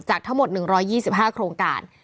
ทั้งหมด๑๒๕โครงการ